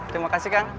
terima kasih kang